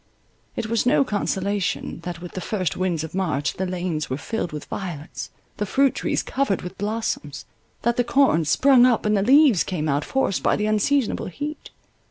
It was no consolation, that with the first winds of March the lanes were filled with violets, the fruit trees covered with blossoms, that the corn sprung up, and the leaves came out, forced by the unseasonable heat.